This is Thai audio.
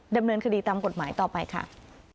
ดำเนินคดีตามกฎหมายต่อไปค่ะ